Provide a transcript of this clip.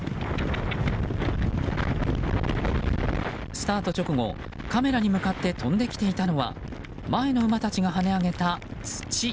スタート直後、カメラに向かって飛んできていたのは前の馬たちが跳ね上げた土。